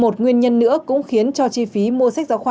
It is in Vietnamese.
một nguyên nhân nữa cũng khiến cho chi phí mua sách giáo khoa